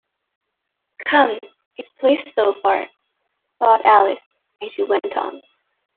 ‘Come, it’s pleased so far,’ thought Alice, and she went on.